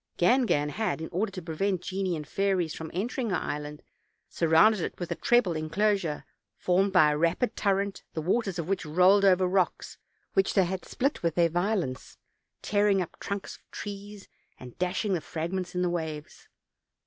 Gangan had, in order to prevent genii and fairies from entering her island, surrounded it with a treble inclosure, formed by a rapid torrent, the waters of which rolled over rocks which they had split with their violence, tearing up trunks of trees and dash ing the fragments in the waves.